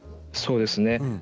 そうですね。